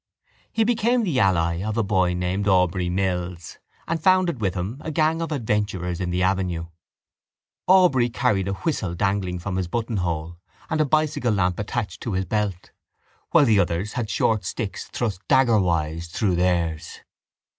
He became the ally of a boy named Aubrey Mills and founded with him a gang of adventurers in the avenue. Aubrey carried a whistle dangling from his buttonhole and a bicycle lamp attached to his belt while the others had short sticks thrust daggerwise through theirs.